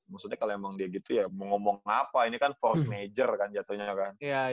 maksudnya kalau emang dia gitu ya mau ngomong apa ini kan force major kan jatuhnya kan